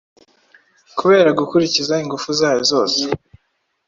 kubera gukurikiza Ingufu zayo zose.